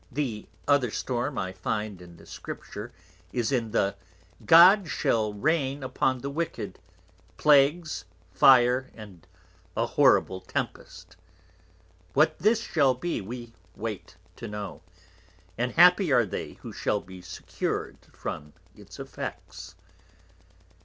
The Other Storm I find in the Scripture is in the God shall rain upon the Wicked, Plagues, Fire, and a horrible Tempest. What this shall be, we wait to know; and happy are they who shall be secured from its Effects.